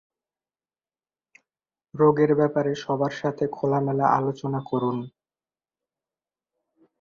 রোগের ব্যাপারে সবার সাথে খোলামেলা আলোচনা করুন।